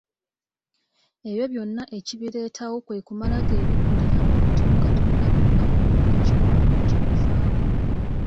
Ebyo byonna ekibireetawo kwe kumala geebikkulira muntu nga tonnaba nakumanya kiwanvu kimufaako.